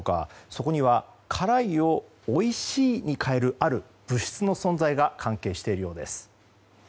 そこには辛いをおいしいに変えるある物質の存在が関係しているようです。